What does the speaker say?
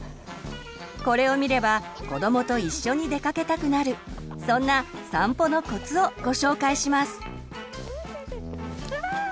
これを見れば子どもと一緒に出かけたくなるそんな散歩のコツをご紹介します。